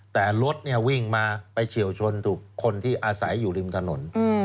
แต่รถวิ่งมาไปเฉียวชนถูกคนที่อาศัยอยู่ริมถนน